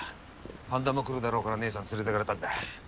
般田も来るだろうから姐さん連れてかれたんだ。